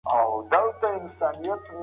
افغانانو د ښار خوراکي توکي برابر کړل.